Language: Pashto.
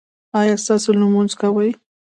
ایا تاسو لمونځ کوئ؟